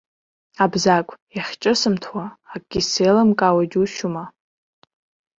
Абзагә, иахьҿысымҭуа, акгьы сзеилымкаауа џьушьома?!